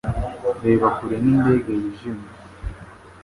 Reba kure nk'indege yijimye